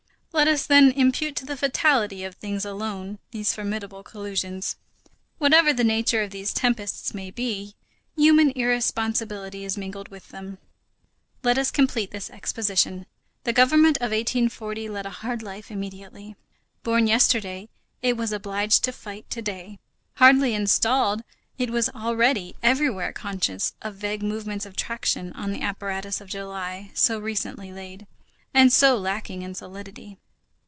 Let us, then, impute to the fatality of things alone these formidable collisions. Whatever the nature of these tempests may be, human irresponsibility is mingled with them. Let us complete this exposition. The government of 1840 led a hard life immediately. Born yesterday, it was obliged to fight to day. Hardly installed, it was already everywhere conscious of vague movements of traction on the apparatus of July so recently laid, and so lacking in solidity.